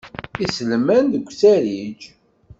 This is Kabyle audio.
Iselman deg usarij.